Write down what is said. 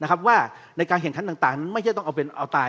นะครับว่ายังการแข่งขันต่างนั่นไม่ใช่ต้องเอาเป็นอาวุธตาย